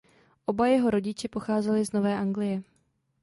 Oba jeho rodiče pocházeli z Nové Anglie.